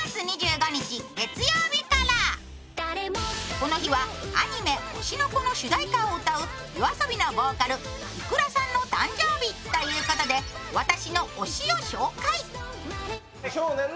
この日はアニメ「推しの子」の主題歌を歌う ＹＯＡＳＯＢＩ のボーカル ｉｋｕｒａ さんの誕生日ということで、私の推しを紹介。